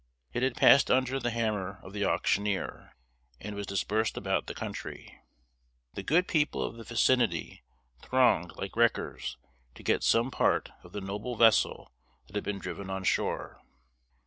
It had passed under the hammer of the auctioneer, and was dispersed about the country. The good people of the vicinity thronged liked wreckers to get some part of the noble vessel that had been driven on shore.